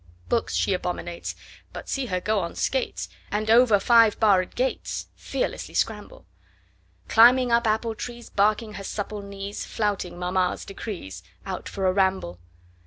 Books she abominates, But see her go on skates, And over five barr'd gatesFearlessly scramble! Climbing up apple trees, Barking her supple knees, Flouting mamma's decrees, Out for a ramble.